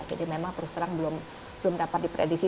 memang terus terang belum dapat diprediksi